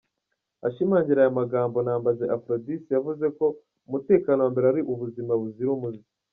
Ashimangira aya magambo Nambaje Aphrodice yavuze ko umutekano wa mbere ari ubuzima buzira umuze.